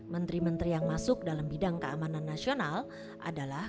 menteri menteri yang masuk dalam bidang keamanan nasional adalah